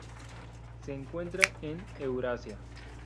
Se encuentran en Eurasia.